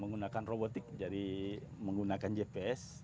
menggunakan robotik jadi menggunakan gps